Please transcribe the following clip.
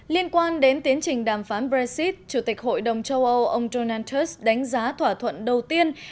liên quan đến tiến trình đàm phán brexit chủ tịch hội đồng châu âu ông jonas đánh giá thỏa thuận đầu tiên